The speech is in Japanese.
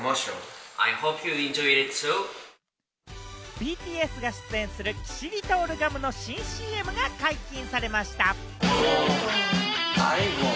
ＢＴＳが出演するキシリトールガムの新ＣＭが解禁されました。